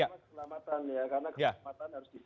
harus di set dan itu harus dipantau terus